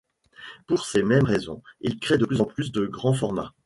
Pour ces mêmes raisons, il crée de plus en plus de grands formats.